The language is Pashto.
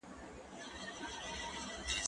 دا ږغ له هغه ښه دی!!